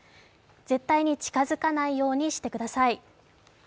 絶対に近づかないようにしてください。